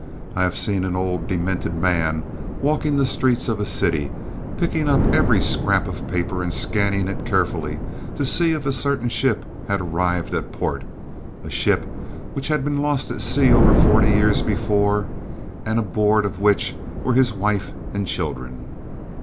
I have seen an old demented man walking the streets of a city, picking up every scrap of paper and scanning it carefully to see if a certain ship had arrived at port a ship which had been lost at sea over forty years before, and aboard of which were his wife and children.